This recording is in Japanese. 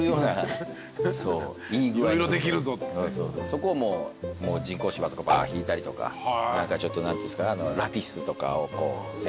そこを人工芝とかバーッひいたりとかちょっと何ていうんですかラティスとかを全面に。